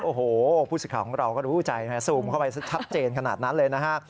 โอ้โหผู้สิทธิ์ของเราก็รู้ใจซูมเข้าไปชัดเจนขนาดนั้นเลยนะฮะ